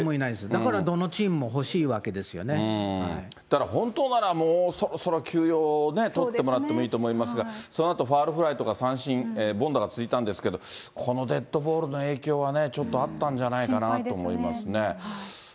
だからどのチームも欲しいわけでだから本当なら、もうそろそろ休養を取ってもらってもいいと思いますが、そのあとファウルフライとか三振、凡打が続いたんですけど、このデッドボールの影響はね、ちょっとあったんじゃないかなと思います心配ですね。